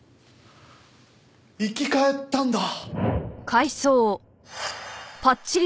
生き返ったんだ。